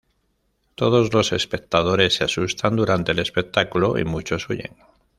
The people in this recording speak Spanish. Todos los espectadores se asustan durante el espectáculo y muchos huyen.